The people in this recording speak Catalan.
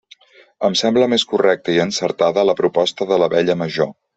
Em sembla més correcta i encertada la proposta de l'Abella Major.